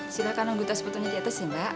silahkan nunggu tas puternya di atas ya mbak